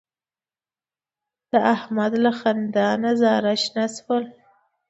د احمد له خندا نه زاره شنه شوله.